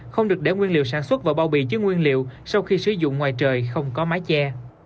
không được để nguyên liệu sản xuất và bao bị chứ nguyên liệu sau khi sử dụng ngoài trời không có mái che